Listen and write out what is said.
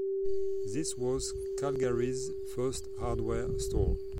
This was Calgary's first hardware store.